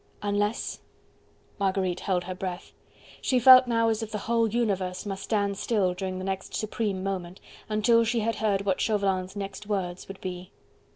"Unless?..." Marguerite held her breath. She felt now as if the whole universe must stand still during the next supreme moment, until she had heard what Chauvelin's next words would be.